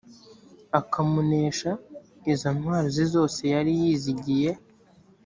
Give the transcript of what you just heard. akamunesha izo ntwaro ze zose yari yizigiye